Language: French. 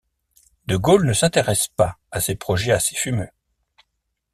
De Gaulle ne s'intéresse pas à ces projets assez fumeux.